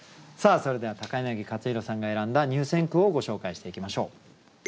それでは柳克弘さんが選んだ入選句をご紹介していきましょう。